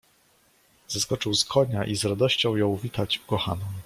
"Zeskoczył z konia i z radością jął witać ukochaną."